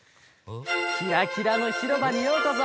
キラキラのひろばにようこそ。